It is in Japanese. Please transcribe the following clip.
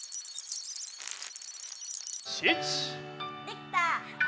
７！できた！